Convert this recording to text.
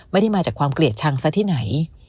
ไม่ได้มาจากความเกลียดชังซะที่ไหน